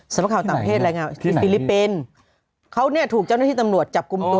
สำหรับข่าวต่างเพศร้ายงามฟิลิปเป็นเขาเนี่ยถูกเจ้าหน้าที่ตำรวจจับกุมตัว